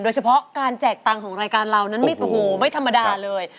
โดยเฉพาะการแจกตังค์ของรายการเรานั้นไม่โอ้โหไม่ธรรมดาเลย